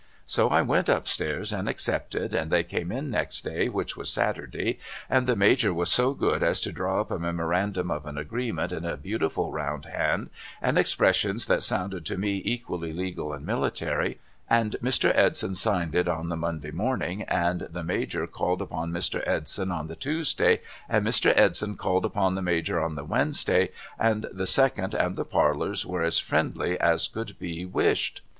So I went up stairs and accepted, and they came in next day which was Saturday and the Major was so good as to draw up a Memorandum of an agreement in a beautiful round hand and expressions that sounded to me equally legal and military, and Mr. Edson signed it on the Monday mornmg and the Major called upon Mr. Edson on the Tuesday and Mr. Edson called upon the Major on the ^^'ednesday and the Second and the parlours were as friendly as could be wished.